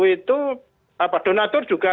itu apa donator juga